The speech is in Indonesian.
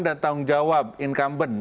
dan tanggung jawab incumbent